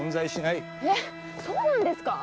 えっそうなんですかあ？